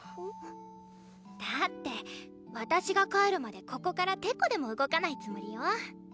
だって私が帰るまでここからテコでも動かないつもりよ。